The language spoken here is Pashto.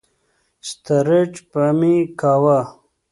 سترنج به مې کاوه.